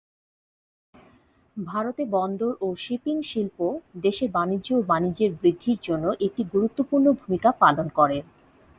ভারতে বন্দর ও শিপিং শিল্প দেশের বাণিজ্য ও বাণিজ্যের বৃদ্ধির জন্য একটি গুরুত্বপূর্ণ ভূমিকা পালন করে।